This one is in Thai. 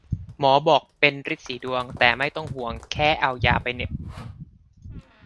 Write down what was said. หมอบอกเป็นรีดสีดวง แต่ไม่ต้องห่วง แค่เอายาไปเหน็บ